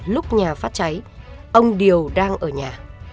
lúc nhà phát cháy ông điều đang ở nhà